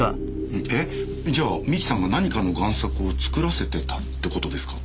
じゃあ三木さんが何かの贋作を作らせてたってことですか？